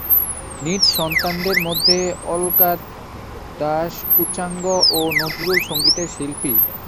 নিজ সন্তানদের মধ্যে অলকা দাশ উচ্চাঙ্গ ও নজরুল সঙ্গীতের শিল্পী।